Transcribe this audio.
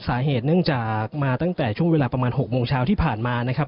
สาเหตุเนื่องจากมาตั้งแต่ช่วงเวลาประมาณ๖โมงเช้าที่ผ่านมานะครับ